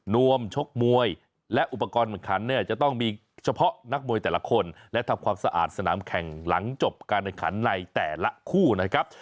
วมชกมวยและอุปกรณ์ขันเนี่ยจะต้องมีเฉพาะนักมวยแต่ละคนและทำความสะอาดสนามแข่งหลังจบการแข่งขันในแต่ละคู่นะครับ